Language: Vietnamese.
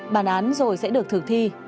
bản án rồi sẽ được thực thi